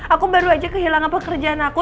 aku baru aja kehilangan pekerjaan aku